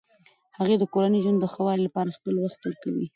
هغې د کورني ژوند د ښه والي لپاره خپل وخت ورکوي.